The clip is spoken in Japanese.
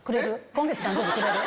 今月誕生日くれる？